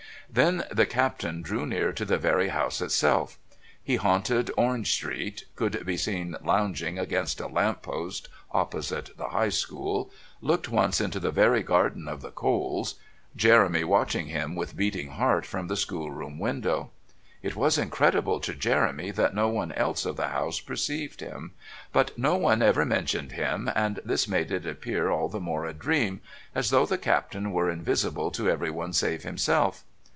Then the Captain drew near to the very house itself. He haunted Orange Street, could be seen lounging against a lamp post opposite the High School, looked once into the very garden of the Coles, Jeremy watching him with beating heart from the schoolroom window. It was incredible to Jeremy that no one else of the house perceived him; but no one ever mentioned him, and this made it appear all the more a dream, as though the Captain were invisible to everyone save himself.